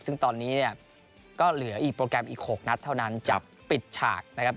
ซึ่งตอนนี้เนี่ยก็เหลืออีกโปรแกรมอีก๖นัดเท่านั้นจะปิดฉากนะครับ